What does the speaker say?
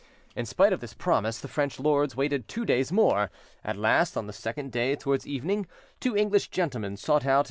In spite of this promise, the French lords waited two days more: at last, on the second day, towards evening, two English gentlemen sought out M.